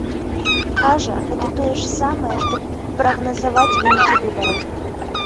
Кажа, гэта тое ж самае, што прагназаваць вынікі выбараў.